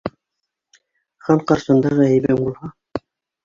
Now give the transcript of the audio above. Хан ҡаршында ғәйебең булһа